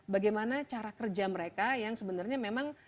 bagaimana cara kerja mereka yang sebenarnya memang